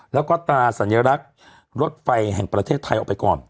แล้วก็ตราสัญลักษณ์รถไฟแห่งประเทศไทยออกไปก่อน